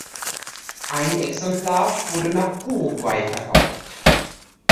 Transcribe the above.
Ein Exemplar wurde nach Uruguay verkauft.